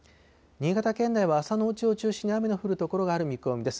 新潟県内は朝のうちを中心に雨の降る所がある見込みです。